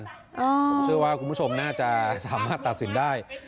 ผมเชื่อว่าคุณผู้ชมน่าจะสามารถตัดสินได้